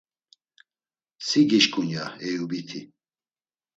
“Si gişǩun.” ya Eyubiti.